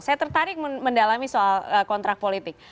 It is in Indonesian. saya tertarik mendalami soal kontrak politik